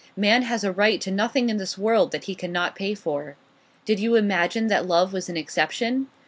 Man has a right to nothing in this world that he cannot pay for. Did you imagine that love was an exception?